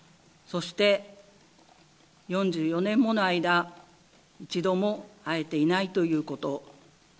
そして４４年もの間、一度も会えていないということ。